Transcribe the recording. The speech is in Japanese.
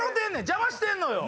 邪魔してんのよ。